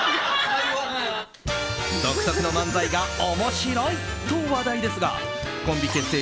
独特の漫才が面白いと話題ですがコンビ結成